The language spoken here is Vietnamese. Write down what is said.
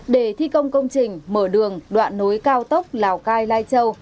để thi công công trình mở đường đoạn nối cao tốc lào cai lai châu